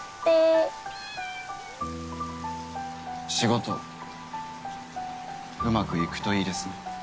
ニャ仕事うまくいくといいですね。